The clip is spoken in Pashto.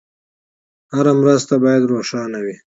هره مرسته باید روښانه وي.